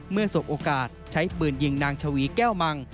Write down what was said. สบโอกาสใช้ปืนยิงนางชวีแก้วมัง